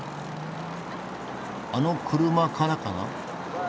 あの車からかな？